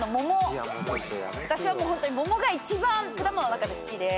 私はホントにモモが一番果物の中で好きで。